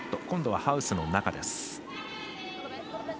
今度はハウスの中です。